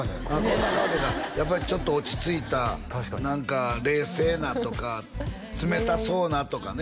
こんな顔というかやっぱりちょっと落ち着いた何か冷静なとか冷たそうなとかね